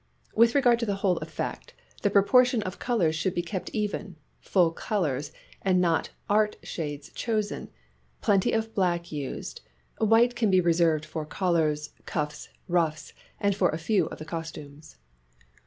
With regard to the whole effect, the proportion of colours should be kept even, full colours and not "art" shades chosen ; plenty of black used ; white can be reserved for collars, cuffs, ruffs, and for a few of the costumes.